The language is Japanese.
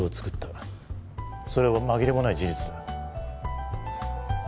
それは紛れもない事実だ。